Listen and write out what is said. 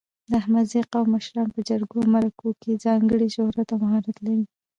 د احمدزي قوم مشران په جرګو او مرکو کې ځانګړی شهرت او مهارت لري.